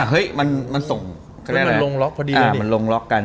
เฮ้ยมันส่งกันได้หรอมันลงล็อคกัน